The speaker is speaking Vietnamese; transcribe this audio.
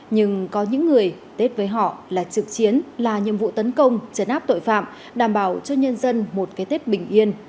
nhưng có những người tết với họ là trực chiến là nhiệm vụ tấn công chấn áp tội phạm đảm bảo cho nhân dân một cái tết bình yên